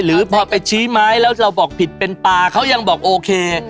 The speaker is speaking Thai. หรือพอไปชี้ไม้แล้วเราบอกผิดเป็นป่าเขายังบอกโอเค